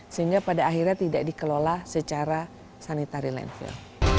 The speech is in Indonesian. sehingga pada akhirnya tidak dikelola secara sanitary landfill